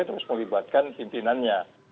terus melibatkan pimpinannya